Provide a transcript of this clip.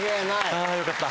あよかった。